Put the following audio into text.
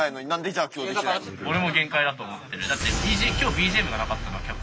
だって今日ＢＧＭがなかったら。